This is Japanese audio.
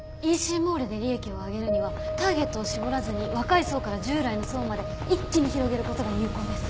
ＥＣモールで利益を上げるにはターゲットを絞らずに若い層から従来の層まで一気に広げることが有効です。